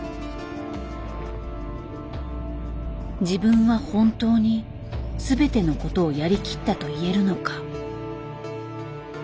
自分は本当に全てのことをやりきったといえるのか。